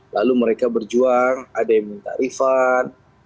lalu mereka berjuang ada yang minta refund